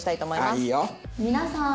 「皆さーん！